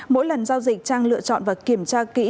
mỗi lần giao dịch trang lựa chọn và kiểm tra kỹ